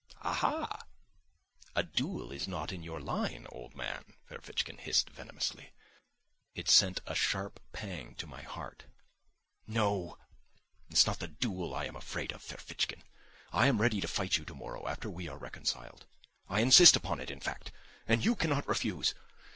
"Aha! A duel is not in your line, old man," Ferfitchkin hissed venomously. It sent a sharp pang to my heart. "No, it's not the duel I am afraid of, Ferfitchkin! I am ready to fight you tomorrow, after we are reconciled. I insist upon it, in fact, and you cannot refuse.